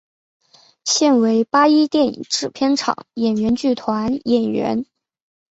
现为八一电影制片厂演员剧团演员。